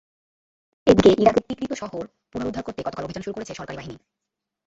এদিকে ইরাকের তিকরিত শহর পুনরুদ্ধার করতে গতকাল অভিযান শুরু করেছে সরকারি বাহিনী।